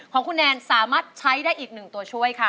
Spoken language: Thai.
ของคุณแนนสามารถใช้ได้อีกหนึ่งตัวช่วยค่ะ